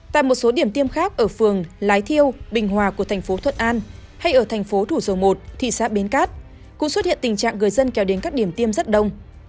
tại một số điểm tiêm khác ở phường lái thiêu bình hòa của thành phố thuận an hay ở thành phố thủ dầu một thị xã bến cát cũng xuất hiện tình trạng người dân kéo đến các điểm tiêm rất đông